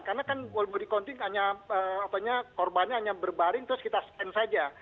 karena kan world body counting hanya korbannya hanya berbaring terus kita scan saja